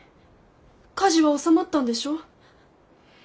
火事は収まったんでしょ？